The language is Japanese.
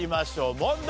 問題。